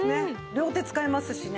両手使えますしね。